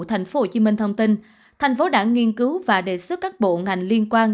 tp hcm thông tin tp hcm nghiên cứu và đề xuất các bộ ngành liên quan